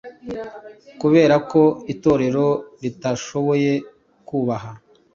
kubera ko Itorero ritashoboye kubaha